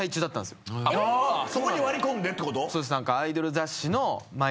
そこに割り込んでってこと？